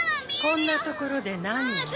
こんな所で何を？